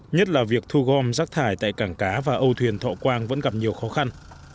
nhất là việc thu gom rác thải tại cảng cá và âu thuyền thọ quang vẫn gặp nhiều khó khăn